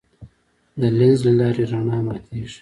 د لینز له لارې رڼا ماتېږي.